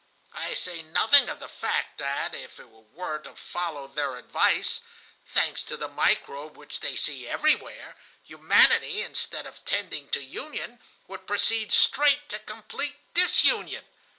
I say nothing of the fact that, if it were to follow their advice,—thanks to the microbe which they see everywhere,—humanity, instead of tending to union, would proceed straight to complete disunion.